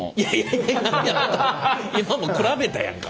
今もう比べたやんか。